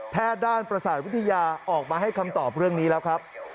ด้านประสาทวิทยาออกมาให้คำตอบเรื่องนี้แล้วครับ